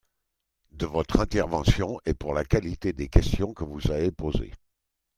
de votre intervention et pour la qualité des questions que vous avez posées.